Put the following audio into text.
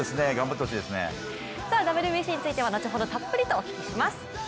ＷＢＣについては後ほどたっぷりとお聞きします。